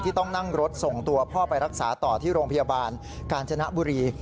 ต้องนั่งรถส่งตัวพ่อไปรักษาต่อที่โรงพยาบาลกาญจนบุรี